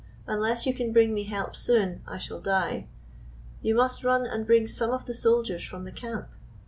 Unless you can bring me help soon I shall die. You must run and bring some of the soldiers from the camp."